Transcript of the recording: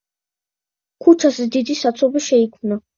ქუჩაზე დიდი საცობი შეიქმნა.